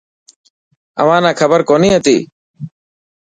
اوهان نا کبر ڪون هتي.